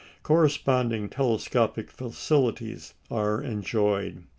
Corresponding telescopic facilities are enjoyed.